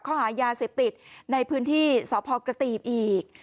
ข้อหายาเสพติดในพื้นที่สพกระตีบอีก